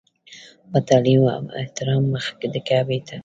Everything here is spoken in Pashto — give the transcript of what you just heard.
په تعلیم او احترام مخ د کعبې ته.